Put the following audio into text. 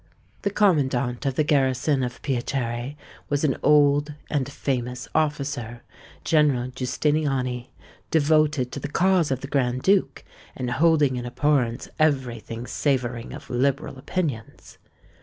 The commandant of the garrison of Piacere was an old and famous officer—General Giustiniani,—devoted to the cause of the Grand Duke, and holding in abhorrence every thing savouring of liberal opinions.